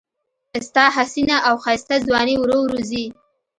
ستا حسینه او ښایسته ځواني ورو ورو ځي